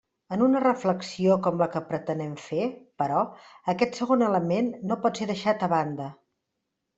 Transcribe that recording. En una reflexió com la que pretenem fer, però, aquest segon element no pot ser deixat a banda.